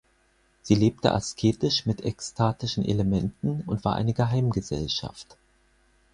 Sie lebte asketisch mit ekstatischen Elementen und war eine Geheimgesellschaft.